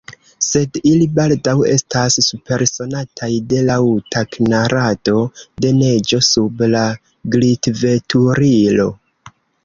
Sed ili baldaŭ estas supersonataj de laŭta knarado de neĝo sub la glitveturilo.